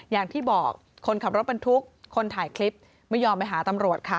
อย่างที่บอกคนขับรถบรรทุกคนถ่ายคลิปไม่ยอมไปหาตำรวจค่ะ